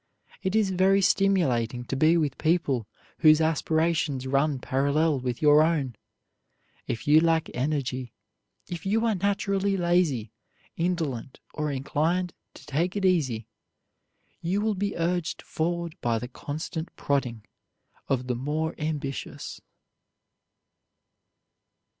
It is very stimulating to be with people whose aspirations run parallel with your own. If you lack energy, if you are naturally lazy, indolent, or inclined to take it easy, you will be urged forward by the constant prodding of the more ambitious.